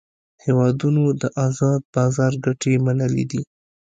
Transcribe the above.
هیوادونو د آزاد بازار ګټې منلې دي